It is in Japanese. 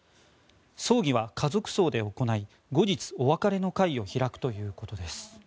葬儀は家族葬で行い後日、お別れの会を開くということです。